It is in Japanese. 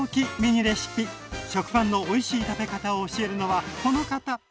食パンのおいしい食べ方を教えるのはこの方！